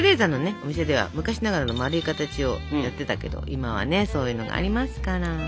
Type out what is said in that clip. お店では昔ながらのまるい形をやってたけど今はそういうのがありますから。